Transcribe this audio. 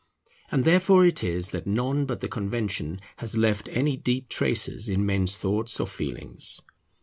And therefore it is that none but the Convention has left any deep traces in men's thoughts or feelings.